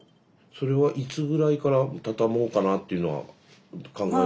それはいつぐらいから畳もうかなというのは考えてらしたんですか？